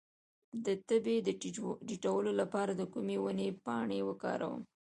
د تبې د ټیټولو لپاره د کومې ونې پاڼې وکاروم؟